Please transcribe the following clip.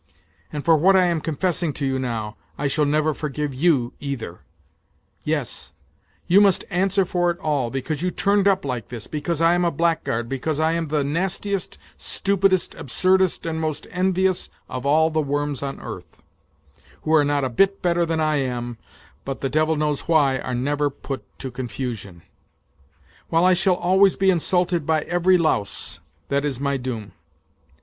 And for what I am confessing to you now, I shall never forgive you either ! Yes you must answer for it all because you turned up like this, because I am a black guard, because I am the nastiest, stupidest, absurdest and most envious of all the worms on earth, who are not a bit better than I am, but, the devil knows why, are never put to confusion; while I shall always be insulted by every louse, that is my doom